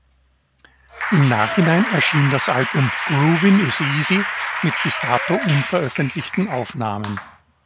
Im Nachhinein erschien das Album "Groovin’ Is Easy" mit bis dato unveröffentlichten Aufnahmen.